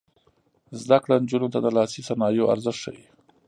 زده کړه نجونو ته د لاسي صنایعو ارزښت ښيي.